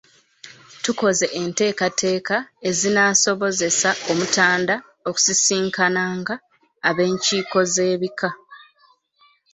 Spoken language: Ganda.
Tukoze enteekateeka ezinaasobozesa Omutanda okusisinkananga ab’enkiiko z’ebika.